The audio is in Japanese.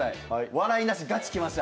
笑いなし、ガチきました。